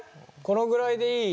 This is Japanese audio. このぐらいでいい？